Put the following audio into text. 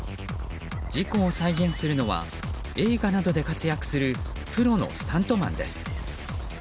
事故を再現するのは映画などで活躍するプロのスタントマンです。